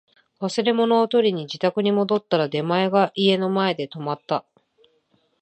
忘れ物を取りに自宅に戻ったら、出前が家の前で止まった